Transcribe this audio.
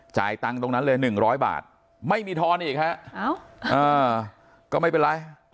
ตังค์ตรงนั้นเลย๑๐๐บาทไม่มีทอนอีกฮะก็ไม่เป็นไร